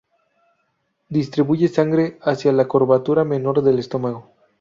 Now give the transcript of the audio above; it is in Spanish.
Distribuye sangre hacia la curvatura menor del estómago.